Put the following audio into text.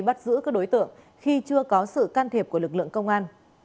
bắt giữ các đối tượng khi chưa có sự can thiệp của lực lượng công an